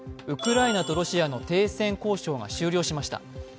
ウクライナとロシアの停戦交渉が終了しました。